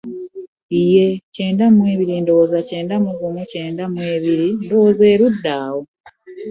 Yee, kyenda mu ebiri ndowooza, kyenda mu gumu kyenda mu ebiri ndowooza erudda awo.